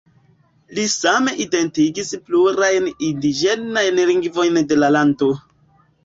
Li same identigis plurajn indiĝenajn lingvojn de la lando.